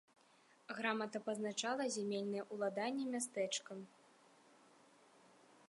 Грамата пазначала зямельныя ўладанні мястэчка.